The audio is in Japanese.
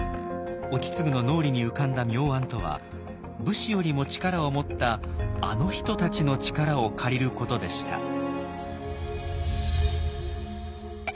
意次の脳裏に浮かんだ妙案とは武士よりも力を持ったあの人たちの力を借りることでした。